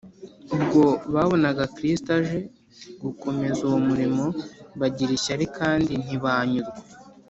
Ubwo babonaga Kristo aje gukomeza uwo murimo, bagira ishyari kandi ntibanyurwa